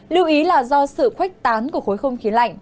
lưu ý là do sự khuếch tán của khối không khí lạnh